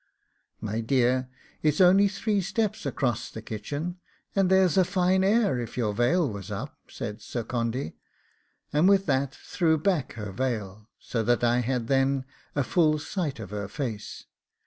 'My dear, it's only three steps across the kitchen, and there's a fine air if your veil was up,' said Sir Condy; and with that threw back her veil, so that I had then a full sight of her face.